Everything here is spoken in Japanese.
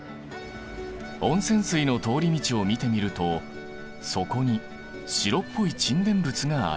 温泉水の通り道を見てみると底に白っぽい沈殿物がある。